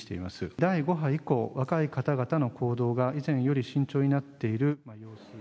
第５波以降、若い方々の行動が以前より慎重になっている。